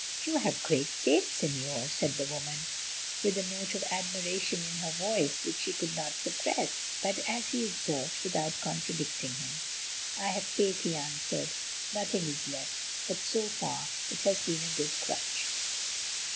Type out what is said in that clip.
"You have great faith, Señor," said the woman, with a note of admiration in her voice which she could not suppress, but, as he observed, without contradicting him. "I have faith," he answered. "Nothing else is left; but so far it has been a good crutch."